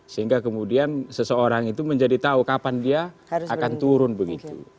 sehingga kemudian seseorang itu menjadi tahu kapan dia akan turun begitu